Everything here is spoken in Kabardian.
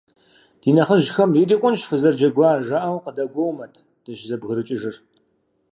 Ди нэхъыжьхэм, ирикъунщ фызэрыджэгуар, жаӀэу къыдэгуоумэт дыщызэбгрыкӀыжыр.